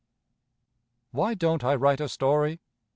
"Why don't I write a story?"